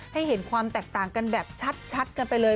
ให้เห็นความแตกต่างกันแบบชัดกันไปเลย